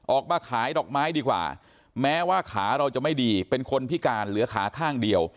ออกมาขายดอกไม้ดีกว่าแม้ว่าขาเราจะไม่ดีเป็นคนพิการเหลือขาข้างเดียว